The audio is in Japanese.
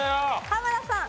濱田さん。